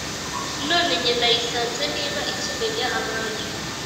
None jye ndayisanze Niba ikimenya abayo!